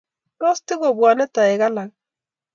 Tos, tigobwane toek alagu?